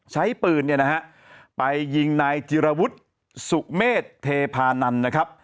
ใช้ปืนเนี่ยนะฮะไปยิงนายจิรวุฒิสุเมษเทพานันนะครับ